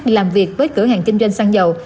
làm việc với cửa hàng kinh doanh xăng dầu